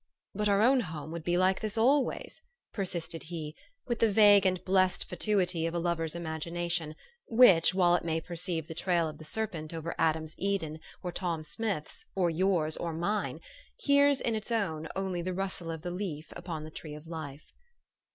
" But our own home would be like this always," persisted he, with the vague and blessed fatuity of a lover's imagination, which, while it may perceive the trail of the serpent over Adam's Eden, or Tom Smith's, or 3~ours, or mine, hears in its own only the rustle of the leaf upon the tree of life.